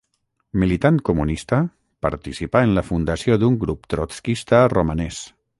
Militant comunista, participà en la fundació d'un grup trotskista romanès.